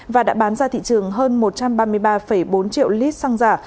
và đã bán ra thị trường hơn một trăm ba mươi ba bốn triệu lít xăng giả